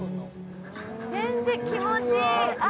全然気持ちいい。